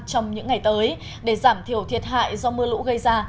trong những ngày tới để giảm thiểu thiệt hại do mưa lũ gây ra